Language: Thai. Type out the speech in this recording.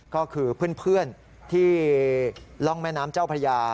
ก็คือเพื่อนที่ร่องแม่น้ำเจ้าพระยา